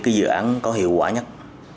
cái dự án có hiệu quả nhất